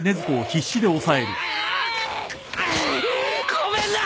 ごめんな！